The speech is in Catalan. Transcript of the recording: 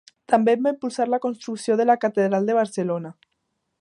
També va impulsar la construcció de la catedral de Barcelona.